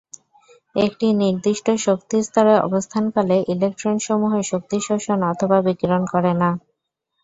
একটি নির্দিষ্ট শক্তিস্তরে অবস্থানকালে ইলেকট্রনসমূহ শক্তি শোষণ অথবা বিকিরণ করে না।